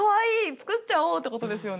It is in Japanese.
作っちゃおう！ってことですよね。